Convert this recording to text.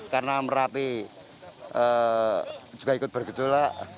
karena merapi juga ikut bergejolak